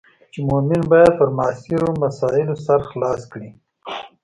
چې مومن باید پر معاصرو مسایلو سر خلاص کړي.